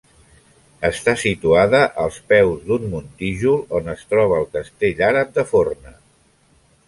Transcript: Està situada als peus d'un muntijol on es troba el castell àrab de Forna.